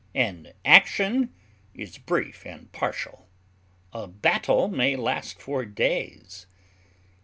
An action is brief and partial; a battle may last for days.